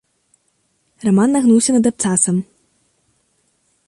Раман нагнуўся над абцасам.